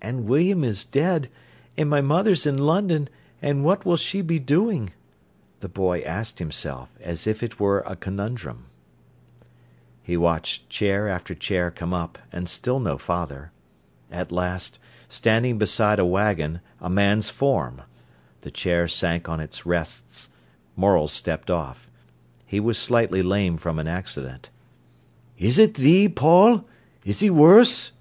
"And William is dead, and my mother's in London, and what will she be doing?" the boy asked himself, as if it were a conundrum. He watched chair after chair come up, and still no father. At last, standing beside a wagon, a man's form! the chair sank on its rests, Morel stepped off. He was slightly lame from an accident. "Is it thee, Paul? Is 'e worse?"